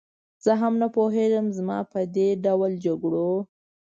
زه هم نه پوهېږم، زما په دې ډول جګړو.